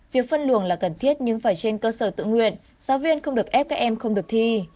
việc phân luồng là cần thiết nhưng phải trên cơ sở tự nguyện giáo viên không được ép các em không được thi